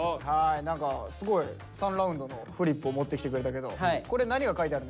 何かすごい「３Ｒ」のフリップを持ってきてくれたけどこれ何が書いてあるんですか？